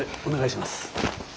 お願いします。